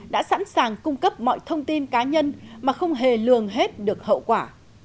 đã sẵn sàng cung cấp mọi thông tin cá nhân mà không hề lường hết được hậu quả